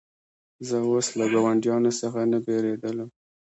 زه اوس له ګاونډیانو څخه نه بېرېدلم.